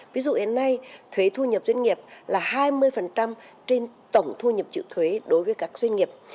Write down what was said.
ví dụ hiện nay thuế thu nhập doanh nghiệp là hai mươi trên tổng thu nhập chịu thuế đối với các doanh nghiệp